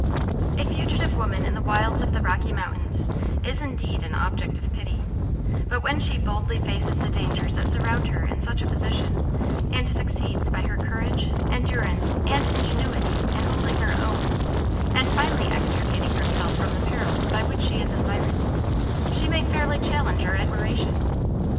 A fugitive woman in the wilds of the Rocky Mountains is indeed an object of pity; but when she boldly faces the dangers that surround her in such a position, and succeeds by her courage, endurance, and ingenuity in holding her own, and finally extricating herself from the perils by which she is environed, she may fairly challenge our admiration.